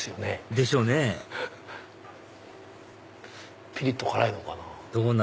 でしょうねピリっと辛いのかな。